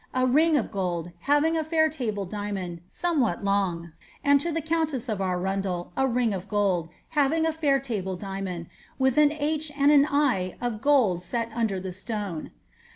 ^ a ring of gold, having a fair table diamond, somewhat long, and to the countess of Arundel a ring of gold, having a fair table diamond, with an H. and L of gold set under the stone.